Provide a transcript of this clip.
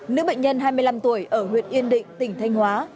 nữ bệnh nhân hai mươi năm tuổi ở huyện yên định tỉnh thanh hóa